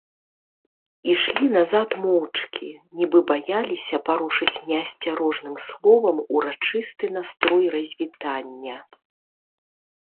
Ішлі назад моўчкі, нібы баяліся парушыць неасцярожным словам урачысты настрой развітання.